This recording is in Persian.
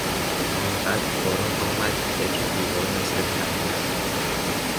آن قدر باران آمد که گچ دیوار مثل خمیر شد.